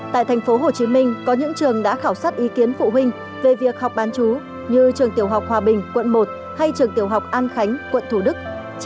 tại thành phố hồ chí minh có những trường đã khảo sát ý kiến phụ huynh về việc học bán chú như trường tiểu học hòa bình quận một hay trường tiểu học an khánh quận thủ đức